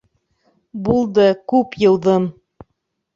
Булды, күп йыуҙым.